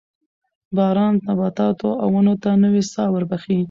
باران نباتاتو او ونو ته نوې ساه وربخښي